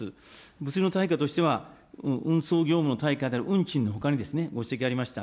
物流の対価としては、運送業務の対価である運賃のほかにご指摘ありました